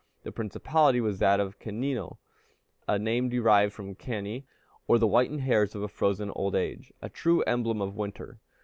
The principality was that of Canino, a name derived from cani, or the whitened hairs of a frozen old age, true emblem of winter.